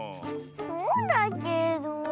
そうだけど。